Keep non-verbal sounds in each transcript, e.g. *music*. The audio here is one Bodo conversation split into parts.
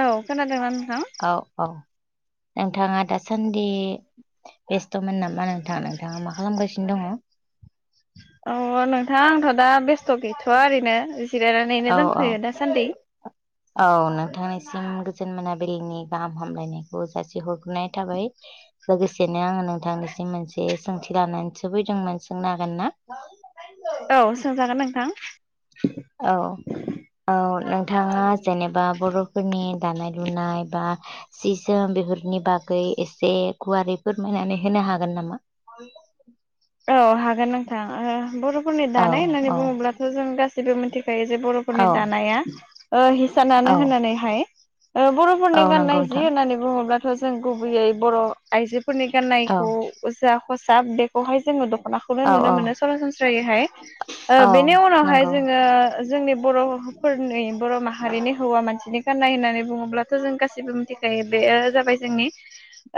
औ खोनादोंना नोंथां औ-औ। नोंथाङा दासान्दि बेस्थ'मोन नामा नोंथां नोंथाङा मा खालामगासिनो दङ। *unintelligible* *inaudible* अ नोंथां आंथ' दा बेस्थ' गैथ'आ ओरैनो जिरायनानैनो औ औ दोंथ'यो दासान्दि। औ *unintelligible* गोजोन मोनाबलिनि गाहाम हामलायनायखौ जासिहरग्रोनाय थाबाय लोगोसे बेनो आङो नोंथांनिसिम मोनसे सोंथि लानानै सोफैदोंमोन सोंनो हागोन ना। औ सोंजागोन नोंथां। औ-औ *unintelligible* नोंथाङा जेनेबा बर'फोरनि दानाय-लुनाय बा सि जोम बेफोरनि बागै एसे गुवारै फोरमायनानै होनो हागोन नामा। औ हागोन नोंथां ओ बर'फोरनि औ दानाय होननानै औ बुङोब्लाथ' जों गासिबो मिनथि बे जे औ बर'फोरनि दानाया औ हिसानानो होननानैहाय ओ बर'फोरनि औ नंगौ गाननाय जि नोंथां होननानै बुङोब्लाथ' जों गुबैयै बर' आइजो फोरनि औ गान्नायखौ जा ख'साब बेखौहाय जोङो दख'नाखौनो औ नुनो औ मोनो सरासन जायोहाय औ ओ बेनि उनावहाय नंगौ जोङो जोंनि बर' फोरनि बर' माहारिनि हौवा मानसिनि गाननाय होननानै बुङोब्लाथ' जों गासिबो मिथिखायो। बेयो जाबाय जोंनि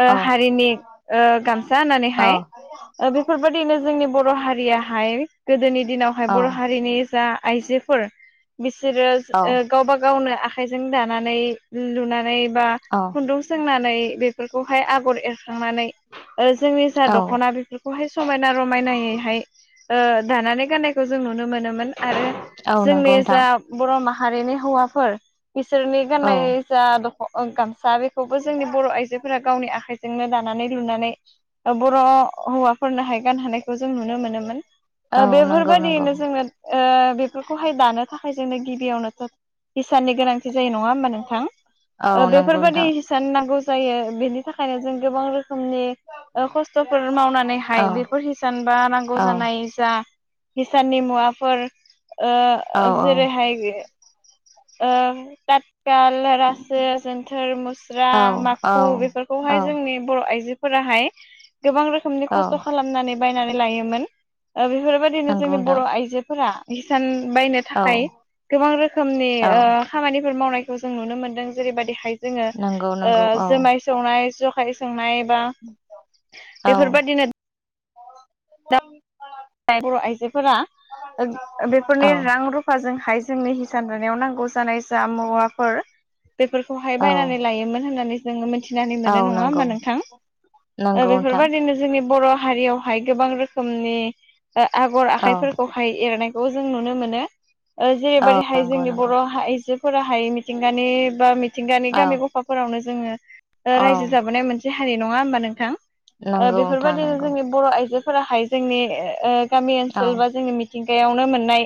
ओ औ हारिनि ओ गामसा औ होननानैहाय ओ बे बेफोरबायदिनो जोंनि बर' हारियाहाय गोदोनि दिनावहाय औ बर' हारिनि जा आइजोफोर बिसोरो औ ओ गावबा गावनो आ आखाइजों दानानै लुनानै बा औ खुन्दुं सोंनानै बेफोरखौहाय आगर एर खांनानै जोंनि जा औ दख'ना बेफोरखौहाय समायना रमायनायैहाय ओ दानानै गाननायखौ जों नुनो मोनोमोन आरो औ नंगौ जोंनि नोंथां जा बर' माह हारिनि हौवाफोर बिसोरनि औ गाननाय जा अ ओ गामसा बेखौबो जोंनि बर' आइजोफोरा गावनि आखाइजोंनो दानानै लुनानै बर' हौवा फोरनो हाय गानहानायखौ जों नुनो मोनोमोन। ओ औ बेफोर नंगौ नंगौ बादियैनो जोङो ओ बेफोरखौहाय दानो थाखाय जोंनो गिबियावनोथ' हिसाननि गोनांथि जायो नङा होमबा औ नोंथां। नंगौ बेफोरबायदि नोंथां हिसान नांगौ जायो बेनि थाखायनो जों गोबां रोखोमनि ओ खस्थ'फोर मावनानै औ हायो बेफोर हिसान बा नांगौ औ जानाय जा हिसाननि मुवाफोर औ ओ जेरैहाय ओ ताथ काल रासो जोन्थोर मुस्रा औ औ माखु औ बेफोरखौहाय जोंनि बर' आइजो फोराहाय गोबां रोखोमनि औ खस्थ' खालामनानै बायनानै लायोमोन। ओ बेफोरबायदिनो नंगौ जोंनि बर' नोंथां आइजोफोरा हिसान बायनो औ थाखाय गोबां रोखोमनि औ ओ खामानिफोर मावनायखौ जों नुनो मोनदों जेरैबादिहाइ जोङो नंगौ ओ नंगौ औ जोमाय संनाय जखाय संनाय बा औ बेफोर बादिनो *unintelligible* बर' आइजोफोरा ओ बेफोरनि औ रां रुफाजों हाय जोंनि *unintelligible* नांगौ जानाय जा मुवाफोर बेफोरखौहाय औ बायनानै लायोमोन होननानै जोङो मोन मिथिनानै औ मोनो नङा नंगौ होमबा नोंथां ओ नंगौ नोंथां बेफोरबायदिनो जोंनि बर' हारियावहाय गोबां रोखोमनि ओ आगर औ आखाइफोरखौहाय एरनायखौ जों नुनो मोनो। ओ औ जेरैबायदिहाय नंगौ जोंनि नंगौ बर' आइजोफोराहाय मिथिंगानि बा मिथिंगानि औ गामि गफाफोरावनो जोङो ओ औ रायजो जाबोनाय मोनसे हारि नङा होमबा नोंथां। ओ नंगौ नोंथां बेफोरबायदिनो नंगौ जोंनि बर' आइजोफोराहाय जोंनि ओ गामि औ ओनसोल बा जोंनि मिथिंगायावनो मोननाय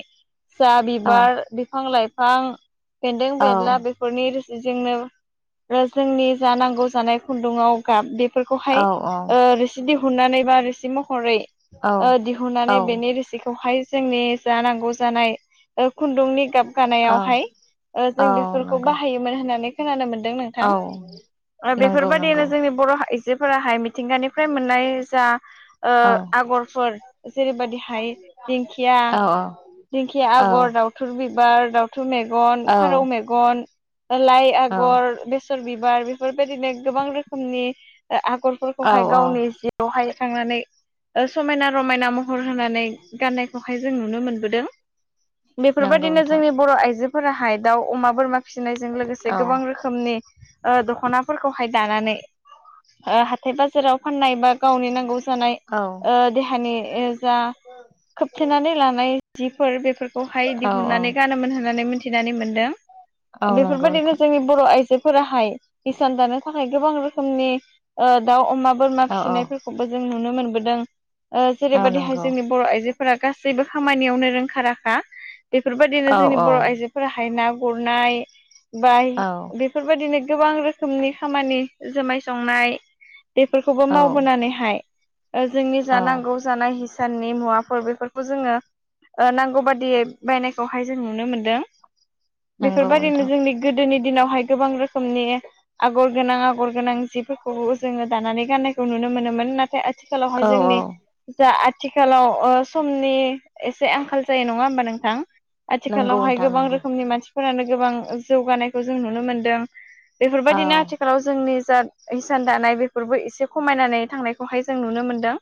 जा औ बिबार बिफां लाइफां बेन्दों औ बेन्ला बेफोरनि रो जोंनो जोंनि जा नांगौ जानाय खुन्दुङाव गाब बे औ फोरखौहाय औ ओ रोसि दिहुननानै बा रोसि महरै औ ओ दिहु औ *unintelligible* बेनि रोसिखौहाय जोंनि जा नांगौ जानाय खुन्दुंनि गाब औ गानायावहाय ओ औ जों बेसफोरखौ नंगौ बाहायोमोन होननानै खोनानो मोन दों नोंथां औ ओ नंगौ बेफोरबायदिनो नंगौ जोंनि बर' आइजोफोराहाय मिथिंगानिफ्राय मोननाय जा ओ औ आगरफोर जेरैबायदिहाय दिंखिया औ दिंखिया औ आगर दावथुर बिबार दउ थु मेग औ फारौ मेगन लाइ औ आगर बेसर बिबार बेफोरबायदिनो गोबां रोखोमनि औ आगरफोरखौहाय औ गावनि जिआवहाय थनानै समायना रमायना महर होनानै गाननायखौहाय जों नुनो मोनबोदों नंगौ बेफोरबायदिनो नोंथां जोंनि बर' आइजोफोराहाय दाउ अमा बोरमा फिसिनायजों औ लोगोसे गोबां रोखोमनि ओ दखनाफोरखौहाय दानानै ओ हाथाय बाजाराव फाननाय बा गावनि नांगौ जानाय औ ओ देहानि जा खोबथेनानै लानाय जिफोर बेफोरखौहाय औ दिहुननानै गानोमोन होननानै मि मिथिनानै औ मोनदों नंगौ बेफोरबायदिनो नोंथां जोंनि बर' आइजो फोराहाय हिसान दानो थाखाय गोबां रोखोमनि ओ दाउ अमा बोरमा औ औ फिसिनायफोरखौबो जों नुनो मोनबोदों ओ औ जेरैबायदिहाय नंगौ जोंनि बर' आइजो फोरा गासैबो खामानियावनो रोंखा राखा औ बेफोरबायदिनो जोंनि बर' आइजोफोराहाय ना गुरनाय बा औ बेफोरबायदिनो गोबां रोखोमनि खामानि जुमाय संनाय बेफोरखौबो औ मावबोनानैहाय जोंनि औ जानांगौ जानाय हिसाननि मुवाफोर बेफोरखौ जोङो ओ नांगौ बादियै बायनायखौहाय जों नुनो मोनदों नंगौ बेफोरबायदिनो नोंथां जोंनि गोदोनि दिनावहाय गोबां रोखोमनि आगर गोनां आगर गोनां जिफोरखौबो जोङो दानानै गाननायखौ नुनो मोनोमोन नाथाय औ आथिखालावहाय औ जोंनि दा आथिखालाव ओ समनि एसे आंखाल जायो नङा होमबा नोंथां। नंगौ आथिखालावहाय नोंथां गोबां नंगौ रोखोमनि मानसिफोरानो गोबां जौगानायखौ जों नुनो मोनदों औ बेफोरबायदिनो आथिखालाव जोंनि जा हिसान दानाय बेफोरबो एसे खमायनानै थांनायखौहाय जों नुनो मोनदों।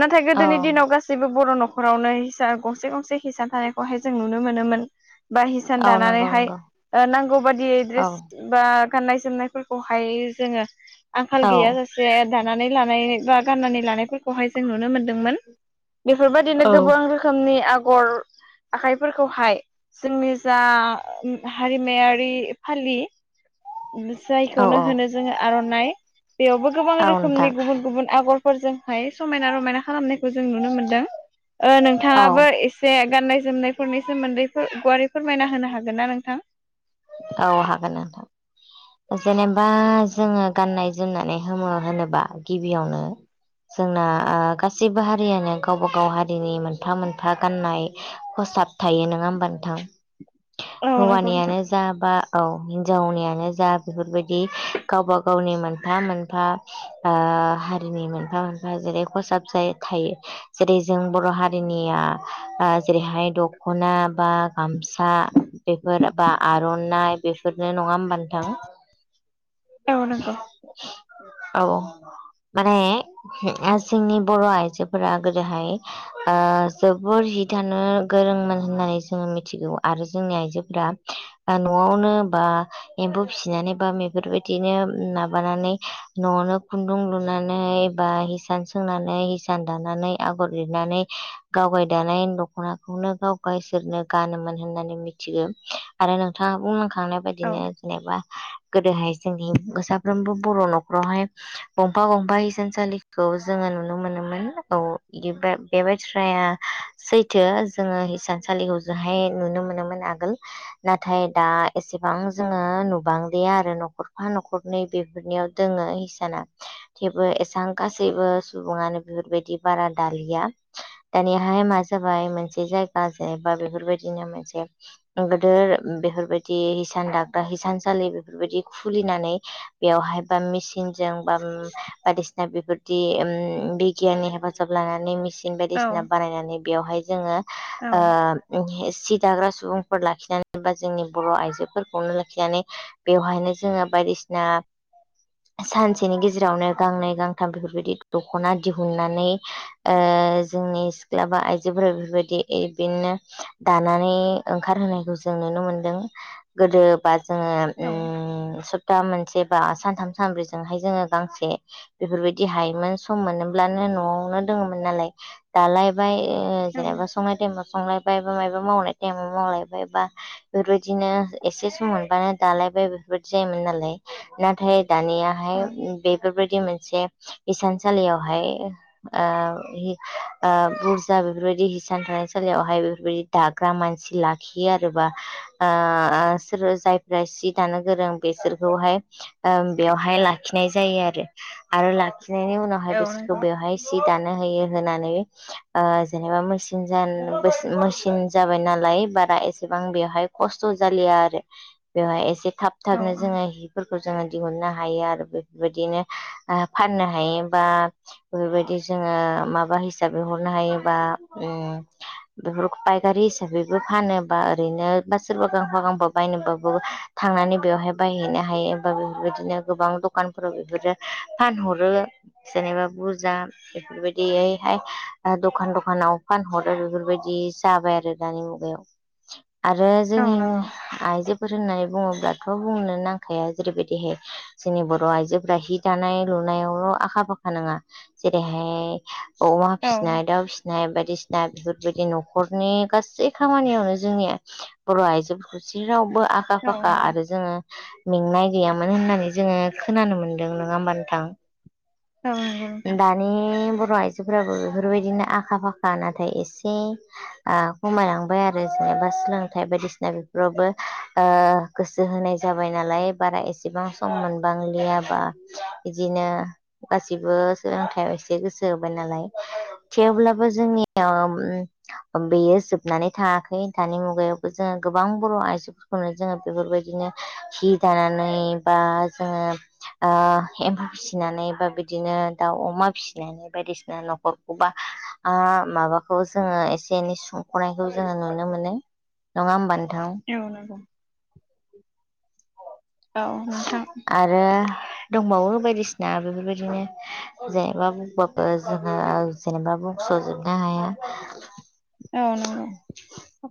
नाथाय औ गोदोनि दिनाव गासैबो बर' न न'खरावनो हिसा गंसे गंसे हिसान थानायखौहाय जों नुनो मोनोमोन। बा हिसान औ नंगौ दानानैहाय नंगौ ओ नांगौ बाददि औ ड्रेस बा गाननाय जोमनायफोरखौहाय जोङो आंखाल औ गैया जासे दानानै लानाय बा गाननानै लानायफोरखौहाय जों नुनो मोन्दोंमोन बेफोरबायदिनो औ गोबां रोखोमनि आगर आखाइफोरखौहाय जोंनि जा हारिमायारि फालि *inaudible* *unintelligible* औ जायखौनो होनो जोङो आर'नाइ बेयावबो गोबां औ रोखोमनि नोंथां गुबुन गुबुन आगरफोरजों फाय। समायना रमायना खालामनायखौ जों नुनो मोनदों ओ औ नोंथाङाबो एसे गाननाय जोमनायफोरनि सोमोन्दै गुवारै फोरमायना होनो हागोन ना नोंथां। औ हागोन नोंथां। जेनेबा जोङो गाननाय जोमनानै हो होनोबा गिबियावनो जोंना ओ गासिबो हारियानो गावबा गाव हारिनि मोनफा मोनफा गाननाय साब थायो नङा होमबा नोंथां। औ नंगौ नोंथां। हौवानियानो जा बा औ हिनजावनियानो जा बेफोरबायदि गावबा गावनि मोनफा मोनफा ओ हारिनि मोनफा मोनफा जेरै खसाब जायो थायो जेरै जों बर' हारिनिया ओ जेरैहाय दख'ना बा गामसा बेफोर बा आर'नाइ बेफोरनो नङा होमबा नोथां औ नोंगौ औ माने जोंनि बर' आइजोफोरा गोदोहाय ओ जोबोर हि दानो गोर रोंङोमोन होननानै जोङो मिथिगौ आरो जोंनि आइजोफोरा न'आवनो बा एम्फौ फिसिनानै बा बेफोरबायदिनो माबानानै न'आवनो खुन्दुं लुनानै बा हिसान सोंनानै हिसान दानानै आगर लिरनानै गावगाय दानाय दखनाखौनो गाव गावसोरनो गानोमोन होननानै मिथिगौ आरो नोंथाङा बुंलांखांनाय औ बायदिनो जेनेबा गोदोहाय जोंनि साफ्रोमबो बर' न'खरावहाय गंफा गंफा हिसानसालिखौ जोङो नुनो मोनोमोन औ बे बाथ्राया सैथो जोङो हिसानसालिखौ ओजोंहाय नुनो मोनोमोन आगोल नाथाय दा एसेबां जोङो नुबांदिया आरो न'खरफा न'खरनै बेफोरनियाव दोङो इसाना थेवबो एसबां गासैबो सुबुङानो बेफोरबायदि बारा दालिया दानिहाय मा जाबाय मोनसे जायगा जे बा बेफोरबायदिनो मोनसे बेफोरबायदि हिसान दाग्रा हिसानसालि बेफोरबायदि खुलिनानै बेयावहाय मेसिनजों बा बायदिसिना बेफोरदि बिगियाननि हेफाजाब लानानै मेसिन औ बायदिसिना बानायनानै बेयावहाय जोङो ओ सि दाग्रा सुबुंफोर लाखि बा जोंनि बर' आइजोफोरखौनो लाखिनानै बेवहायनो जोङो बायदिसिना सानसेनि गेजेरावनो गांनै गांथाम बेफोरबायदि दखना दिहुननानै ओ जोंनि सिख्ला बा आइजोफोरा बेफोरबायदि बिनो दानानै ओंखारहोनायखौ जों जों नुनो मोनदों गोदोबा औ जोङो सप्ता मोनसे सानथाम सानब्रैजोंहाय जोङो गांसे बेफोरबायदि हायोमोन सम मोनोब्लानो न'आवनो दङमोन नालाय दालाय बाय औ जेनेबा संनाय टाइमाव संलायबाय बा मायबा मावनाय टाइमाव मावलायबाय बा बेफोरबायदिनो एसे सम मोनबानो दालायबाय बेफोरबायदि जायोमोन नालाय नाथाय दानियाहाय बेफोरबायदि मोनसे हिसानसालियावहाय ओ बुरजा बेफोरबायदि हिसानफोरा हिसानसालियावहाय बेफोरबायदि दाग्रा मानसि लाखियो आरो बा ओ जायफ्रा सि दानो गोरों बेसोरखौहाय ओ बेवहाय ला खिनाय जायो आरो आरो लाखिनायनि उनावहाय औ बिसोरखौ नंगौ बेवहाय सि दानो होयो होंनानै ओ जेनेबा मेसिन मेसिन जाबाय नालाय बारा एसेबां बेवहाय खस्थ' जालिया आरो बेवहाय एसे थाब औ थाबनो जोङो हिफोरखौ जोंङो दिहुननो हायो आरो बेफोरबायदिनो फाननो हायो बा बेफोरबायदि जोङो माबा हिसाबै हरनो हायोबा बे फायखारि हिसाबैबो फानो बा ओरैनो बा सोरबा गांफा गांफा बायनोबाबो थांनानै बेवहाय बायहैनो हायो बे बिदिनो गोबां दखानफोराव बेफोरो फानहरो जेनेबा बुरजा बेफोरबायदि यैहाय दखान दखानाव फानहरो बेफोरबायदि जाबाय आरो दानि मुगायाव आरो औ जोंनि नंगौ आइजोफोर होननानै बुङो दाथ' बुंनो नांखाया जेरैबायदिहाय जोंनि बर' आइजोफोरा हि दानाय लुनायावल' आ खा फाखा नाङा जेरैहाय अमा औ फिसिनाय दाउ फिसिनाय बायदिसिना बेफोरबायदि न'खरनि गासै खामानियावनो जोंनि बर' आइजोफोरखौ जेरावबो आखा औ फाखा नंगौ आरो जोङो मेंनाय गैयामोन होननानै जोङो खोनानो मोनदों नङा होमबा औ नंगौ नोंथां नोंथां दानि बर' आइजोफोराबो बेफोरबायदिनो आखा फाखा नाथाय एसे ओ खमायलांबाय आरो बाय बा सोलोंथाइ बायदिसिना बेफोरावबो ओ गोसो होनाय जाबाय नालाय बारा एसे बां सम मोनबांलिया बा बिदिनो गासिबो सोलोंथाइयाव एसे गोसो थोबाय नालाय थेवब्लाबो जोंनियाव बेयो जोबनानै थाङाख खै दानि मुगायावबो जोङो गोबां बर' आइजोफोरखौनो जोङो बेफोरबायदिनो हि दानानै बा जोंङो ओ एम्फौ फिसिनानै बा बिदिनो दाउ अमा फिसिनानै बायदिसिना न'खरखौबा ओा माबाखौ जोङो एसे एनै सुंख'नायखौ जोङो नु नो मोनो नंङाहोमबा नो औ नंगौ। औ नोंथां। आरो दंबावो बायदिसिना बेफोरबायदिनो जेनेबा बबो जोंहा जेनेबा सजोबनो हाया। औ नंगौ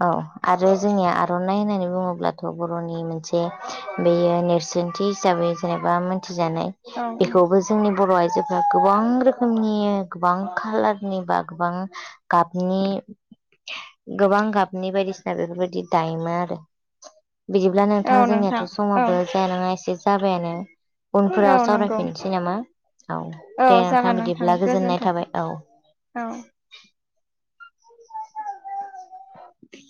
औ आरो जोंनिया आर'नाइ होननानै बुङोब्लाथ' बर'नि मोनसे बेयो नेरसोनथि हिसाबै जेनेबा मोनथ थि जानाय औ बेखौबो जोंनि बर' आइजोफोरा गोबां रोखोमनि गोबां खाालारनि बा गोबां गाबनि गोबां गाबनि बायदिसिना बेफोरबायदि दायोमोन आरो। बिदिब्ला औ नोंथां जोंनियाथ' औ समावबो जाया नङा एसे जाबायानो। उनफोराव औ नंगौ सावरायफिननोसै नामा? औ औ दे नोंथां जागोन बिदिब्ला गोजोननाय गोजोन्थों थाबाय औ। *inaudible*